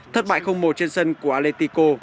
thất bại một trên sân của atletico